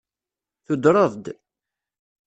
Tudreḍ-d.